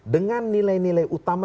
dengan nilai nilai utama